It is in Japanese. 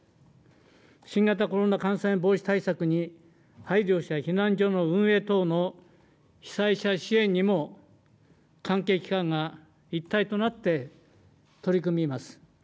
新型コロナ感染防止対策に配慮した避難所の運営等の被災者支援にも関係機関が一体となって取り組みます。